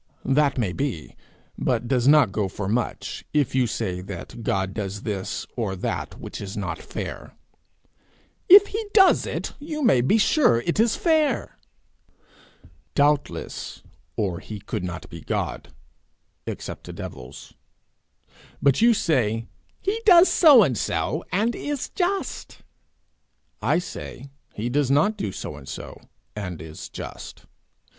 'That may be but does not go for much, if you say that God does this or that which is not fair.' 'If he does it, you may be sure it is fair.' 'Doubtless, or he could not be God except to devils. But you say he does so and so, and is just; I say, he does not do so and so, and is just.